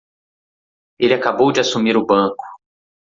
Ele acabou de assumir o banco.